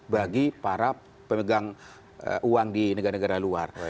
bagi para pemegang uang di negara negara luar